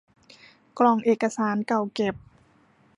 กล่องเอกสารเก่าเก็บ